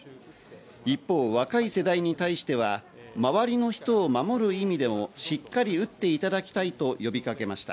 一方、若い世代に対しては、周りの人を守る意味でも、しっかり打っていただきたいと呼びかけました。